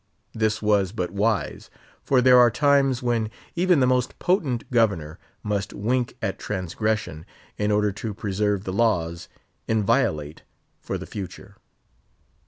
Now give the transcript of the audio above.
This was but wise; for there are times when even the most potent governor must wink at transgression in order to preserve the laws inviolate for the future.